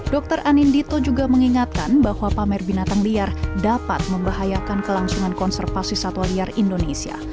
dr anindito juga mengingatkan bahwa pamer binatang liar dapat membahayakan kelangsungan konservasi satwa liar indonesia